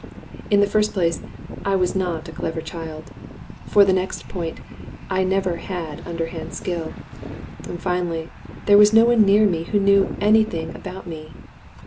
In the first place, I was not a clever child; for the next point, I never had underhand skill; and finally, there was no one near me who knew any thing about me.